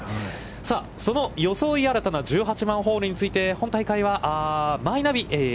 さあ、その装い新たな１８番ホールについて、本大会はマイナビ